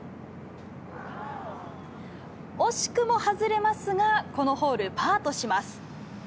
惜しくも外れますが、このホール、パーとします。